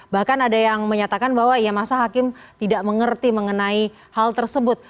bahkan ada yang menyatakan bahwa ya masa hakim tidak mengerti mengenai hal tersebut